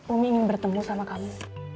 umi ingin bertemu sama kami